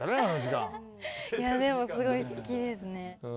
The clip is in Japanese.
でもすごい好きですね。